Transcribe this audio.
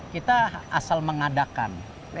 kita asal mengadakan